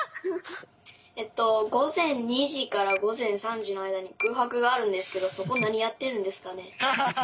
午前２時から午前３時の間に空白があるんですけどそこ何やってるんですかね？